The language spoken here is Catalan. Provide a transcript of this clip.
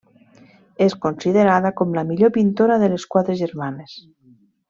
És considerada com la millor pintora de les quatre germanes.